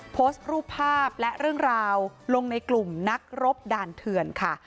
โพสต์รูปภาพและเรื่องราวลงในกลุ่มนักรบด่านเถื่อนค่ะ